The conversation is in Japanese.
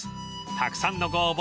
［たくさんのご応募